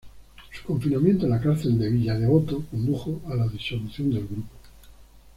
Su confinamiento en la cárcel de Villa Devoto condujo a la disolución del grupo.